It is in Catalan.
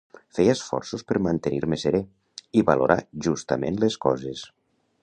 Feia esforços per mantenir-me serè i valorar justament les coses.